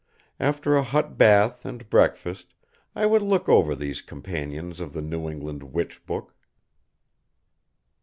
After a hot bath and breakfast I would look over these companions of the New England witch book.